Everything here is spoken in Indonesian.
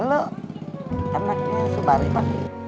eh lo kenaknya subarito